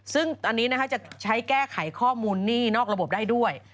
ซึ่งอันนี้จะใช้แก้ไขข้อมูลหนี้นอกระบบได้ด้วย